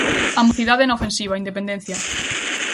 A mocidade na ofensiva, Independencia.